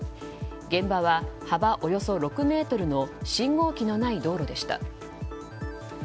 現場は幅およそ６ｍの信号機のない道路でした。